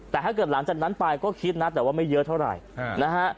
แต่ถ้าเกิดหลังจากนั้นไปก็คิดนะแต่ว่าไม่เยอะเท่าไหร่นะฮะ